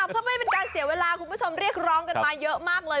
เพื่อไม่เป็นการเสียเวลาคุณผู้ชมเรียกร้องกันมาเยอะมากเลย